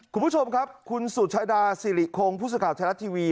คุณผู้ชมครับคุณสุชาดาสิริคงผู้สื่อข่าวไทยรัฐทีวี